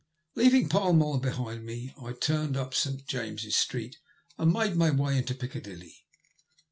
Leaving Fall Mall behind me, I turned up St. James's Street and made my way into Ficcadilly.